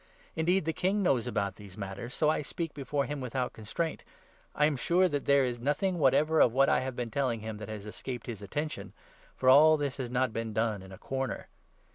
Indeed, the King knows about these matters, so I speak 26 before him without constraint. I am sure that there is nothing whatever of what I have been telling him that has escaped his attention ; for all this has not been done in a corner.